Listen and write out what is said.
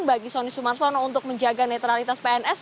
bagi sonny sumarsono untuk menjaga netralitas pns